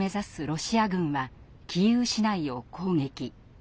ロシア軍はキーウ市内を攻撃。